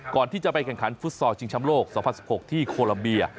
ก่อนที่จะไปแข่งขันฟุตซอลชิงชำโลก๒๐๑๖ที่โคลัมเบีย